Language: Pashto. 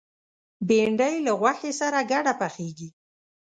بېنډۍ له غوښې سره ګډه پخېږي